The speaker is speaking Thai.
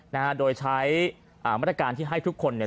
นะฮะโดยใช้อ่ามาตรการที่ให้ทุกคนเนี่ย